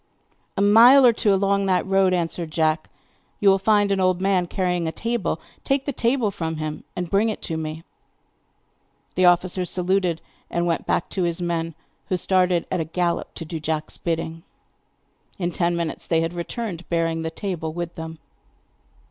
'A mile or two along that road,' answered Jack, 'you will find an old man carrying a table. Take the table from him and bring it to me.' The officer saluted and went back to his men, who started at a gallop to do Jack's bidding. In ten minutes they had returned, bearing the table with them.